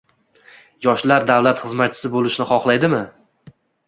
Yoshlar davlat xizmatchisi bo‘lishini xohlaydimi?